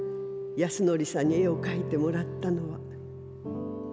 安典さんに絵を描いてもらったのは。